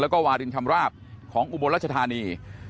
แล้วก็วารินชำราบของอุบลรัชธานี